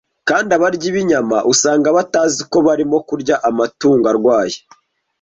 kandi abaryi b’inyama usanga batazi ko barimo kurya amatungo arwaye.